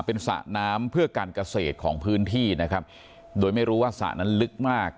เป็นสระน้ำเพื่อการเกษตรของพื้นที่นะครับโดยไม่รู้ว่าสระนั้นลึกมาก